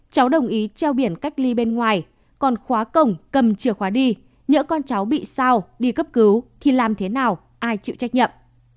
cháu đồng ý treo biển cách ly bên ngoài còn khóa cổng cầm chìa khóa đi nhớ con cháu bị sao đi cấp cứu thì làm thế nào ai chịu trách nhiệm